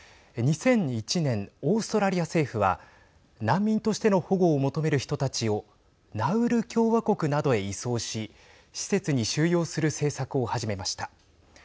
２００１年オーストラリア政府は難民としての保護を求める人たちをナウル共和国などへ移送し施設に収容する政策を始めました。